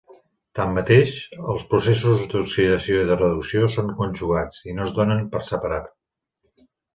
Tanmateix, els processos d'oxidació i de reducció són conjugats i no es donen per separat.